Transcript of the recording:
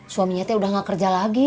suaminya tuh udah nggak kerja lagi